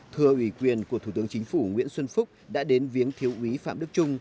thưa ủy quyền của thủ tướng chính phủ nguyễn xuân phúc đã đến viếng thiếu úy phạm đức trung